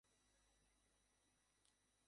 বিচার এই, বেদান্ত এই।